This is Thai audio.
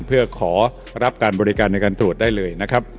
เพื่อขอรับการบริการในการตรวจได้เลยนะครับ